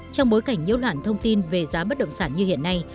trong bối cảnh nhiễu loạn thông tin về giá bất động sản như hiện nay